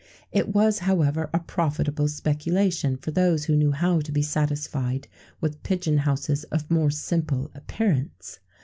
It was, however, a profitable speculation for those who knew how to be satisfied with pigeon houses of more simple appearance.